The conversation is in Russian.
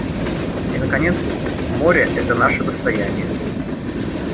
И наконец, море — это наше достояние.